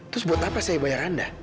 terus buat apa saya bayar anda